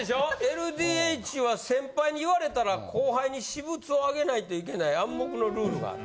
ＬＤＨは先輩に言われたら後輩に私物をあげないといけない暗黙のルールがある。